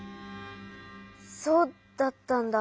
そうだったんだ。